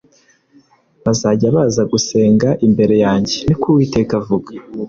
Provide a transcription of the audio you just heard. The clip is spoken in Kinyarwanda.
“bazajya baza gusenga imbere yanjye ni ko uwiteka avuga